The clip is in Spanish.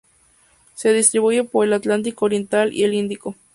Se distribuye por el Atlántico oriental y el Índico.